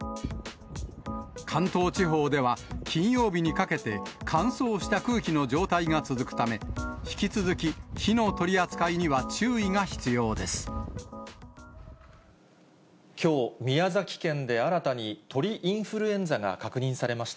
関東地方では、金曜日にかけて乾燥した空気の状態が続くため、引き続き、きょう、宮崎県で新たに鳥インフルエンザが確認されました。